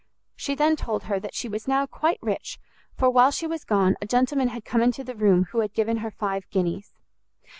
She then told her that she was now quite rich, for while she was gone, a gentleman had come into the room, who had given her five guineas.